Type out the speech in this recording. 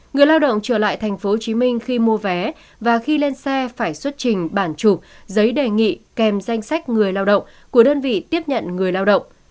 người lao động trở lại tp hcm khi mua vé và khi lên xe phải xuất trình bản chụp giấy đề nghị kèm danh sách người lao động của đơn vị tiếp nhận người lao động